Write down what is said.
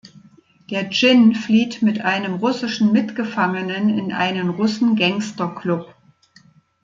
Der Dschinn flieht mit einem russischen Mitgefangenen in einen Russen Gangster Club.